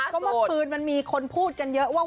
ก็เมื่อคืนมันมีคนพูดกันเยอะว่า